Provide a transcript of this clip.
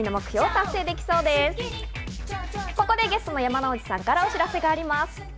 ここでゲストの山之内さんからお知らせがあります。